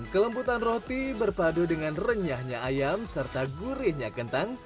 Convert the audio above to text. kelembutan roti berpadu dengan renyahnya ayam serta gurihnya kentang